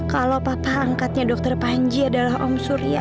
kalau papa angkatnya dokter panji adalah om surya